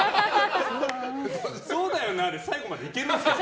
そうだよなあで最後までいけるんですか？